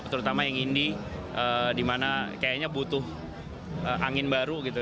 terutama yang indi dimana kayaknya butuh angin baru gitu